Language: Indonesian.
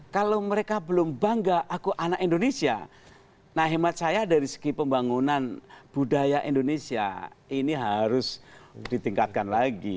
kalau mereka belum bangga aku anak indonesia nah hemat saya dari segi pembangunan budaya indonesia ini harus ditingkatkan lagi